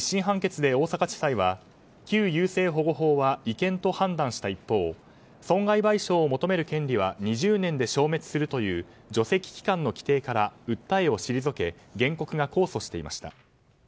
１審判決で大阪地裁は旧優生保護法は違憲と判断した一方損害賠償を求める権利は２０年で消滅するという除斥期間の規定から訴えを退け原告が控訴していました。